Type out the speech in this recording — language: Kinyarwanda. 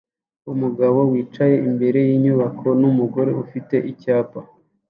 Umugabo wicaye imbere yinyubako numugore ufite icyapa